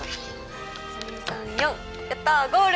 １２３４やったゴール！